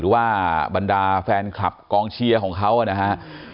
ว่าบรรดาแฟนคลับกองเชียร์ของเขานะฮะ